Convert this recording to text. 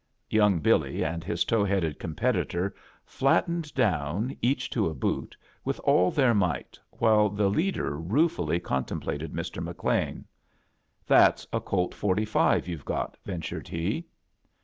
Yotmg BiHy and his tow headed com petitor flattened down, each to a boot, with all their might, while the leader rue fully contemplated ISi. McLean. 'That's a Colt forty five you've got, ventured he.